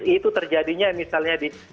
itu terjadinya misalnya di